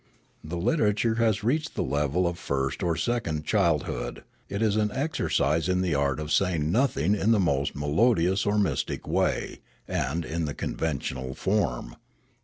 The literature has reached the level of first or 282 Riallaro second childhood ; it is an exercise in the art of saying nothing in the most melodious or mystic way, and in the conventional form.